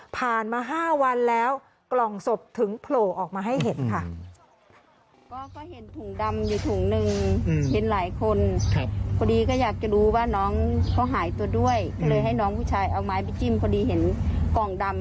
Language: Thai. ผ่านมา๕วันแล้วกล่องศพถึงโผล่ออกมาให้เห็นค่ะ